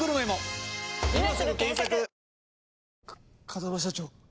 風間社長。